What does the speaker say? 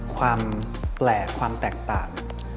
ความแปลกความแตกต่าง